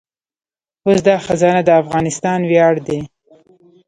اوس دا خزانه د افغانستان ویاړ دی